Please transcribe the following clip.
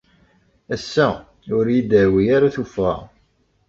Ass-a, ur iyi-d-tehwi ara tuffɣa.